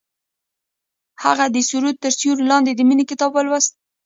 هغې د سرود تر سیوري لاندې د مینې کتاب ولوست.